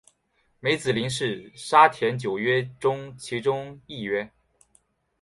梅子林是沙田九约中其中一约。